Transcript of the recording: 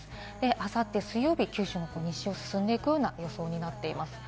あさって水曜日、九州の西を進んでいくような予想になっています。